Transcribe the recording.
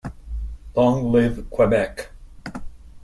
Long live Quebec!